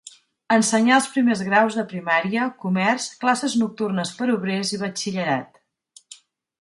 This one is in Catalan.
Ensenyà els primers graus de primària, comerç, classes nocturnes per obrers i batxillerat.